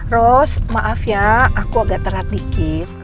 ros maaf ya aku agak terat dikit